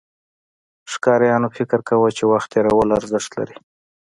ښکاریانو فکر کاوه، چې وخت تېرول ارزښت لري.